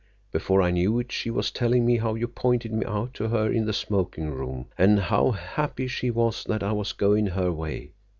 Before I knew it she was telling me how you pointed me out to her in the smoking room, and how happy she was that I was goin' her way.